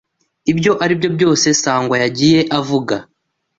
Ibyo aribyo byose Sangwa yagiye avuga.